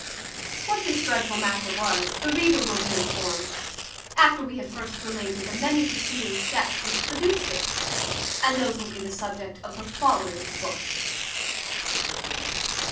What this dreadful matter was, the reader will be informed, after we have first related the many preceding steps which produced it, and those will be the subject of the following book.